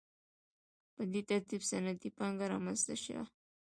په دې ترتیب صنعتي پانګه رامنځته شوه.